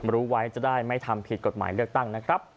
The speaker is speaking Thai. รู้ไว้จะได้ไม่ทำผิดกฎหมายเลือกตั้งนะครับ